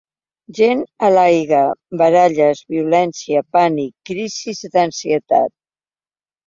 Gent a l’aigua, baralles, violència, pànic, crisi d’ansietat.